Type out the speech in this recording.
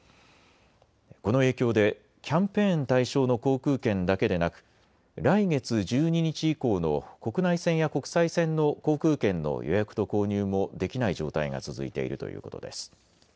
この影響でキャンペーン対象の航空券だけでなく来月１２日以降の国内線や国際線の航空券の予約と購入もできない状態が続いているということです。